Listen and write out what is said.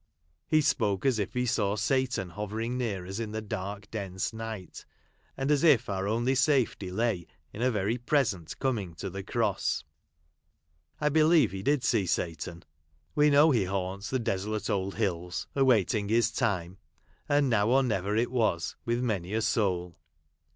He spoke as if he s;t\v Satan hovering near us in the dark dense night, and as if our only safety lay in a very present coming to the Cross ; I believe he did see Satan ; Ave know he haunts the desolate old hills, awaiting his time, and now or never it was, with many a soul.